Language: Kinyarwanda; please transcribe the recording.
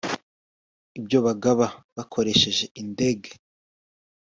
ibyo bagaba bakoresheje indege